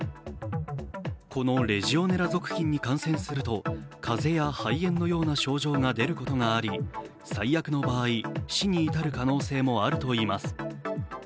このレジオネラ属菌に感染すると風邪や肺炎のような症状が出ることがあり最悪の場合、死に至る可能性もあるといいます。